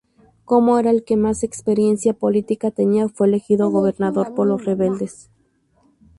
Como era el que más experiencia política tenía, fue elegido gobernador por los rebeldes.